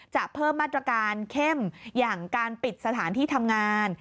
จะเพิ่มมาตรการเข้มอย่างการปิดสถานที่ทำงาน